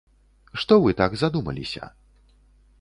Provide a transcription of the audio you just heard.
Што вы так задумаліся?